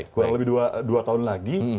kurang lebih dua tahun lagi